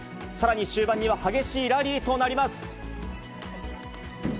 さらに終盤には激しいラリーとなります。